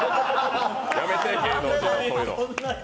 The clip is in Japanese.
やめて芸能人のそういうの。